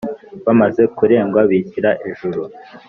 bamaze kurengwa bishyira ejuru,